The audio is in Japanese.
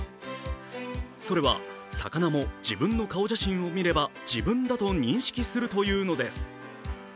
それは魚も自分の顔写真を見れば自分だと認識するというのです。